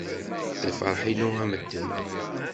Lferḥ-inu a medden.